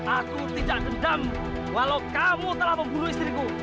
aku tidak dendam walau kamu telah membunuh istriku